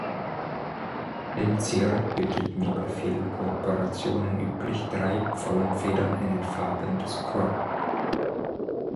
Helmzier bildeten wie bei vielen Korporationen üblich drei Pfauenfedern in den Farben des Corps.